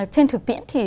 trên thực tiễn thì